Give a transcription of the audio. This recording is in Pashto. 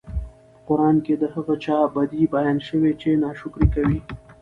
په قران کي د هغه چا بدي بيان شوي چې ناشکري کوي